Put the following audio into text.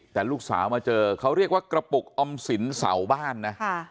แต่ลูกสาวมาเจอเขาเรียกว่ากระปุกออมสินเสาบ้านนะ